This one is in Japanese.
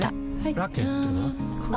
ラケットは？